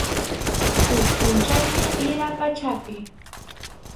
Huk pʼunchawmi ira pachapi.